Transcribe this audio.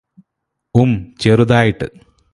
ഉം ചെറുതായിട്ട്